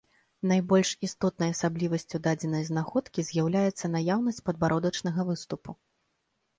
Найбольш істотнай асаблівасцю дадзенай знаходкі з'яўляецца наяўнасць падбародачнага выступу.